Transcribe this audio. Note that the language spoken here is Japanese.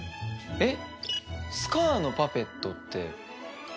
えっ！